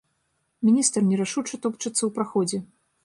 Міністр нерашуча топчацца ў праходзе.